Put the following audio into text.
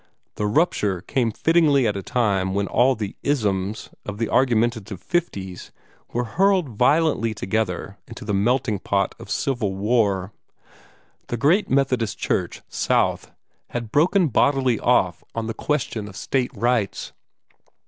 The rupture came fittingly at that time when all the "isms" of the argumentative fifties were hurled violently together into the melting pot of civil war. The great Methodist Church, South, had broken bodily off on the question of State Rights.